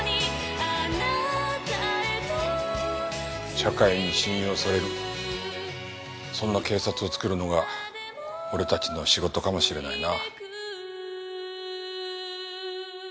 社会に信用されるそんな警察を作るのが俺たちの仕事かもしれないな。